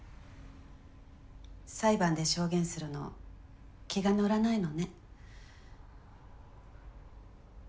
裁判で証言するの気が乗らないのね。